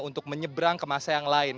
untuk menyeberang ke masa yang lain